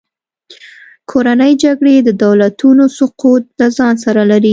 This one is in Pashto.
کورنۍ جګړې د دولتونو سقوط له ځان سره لري.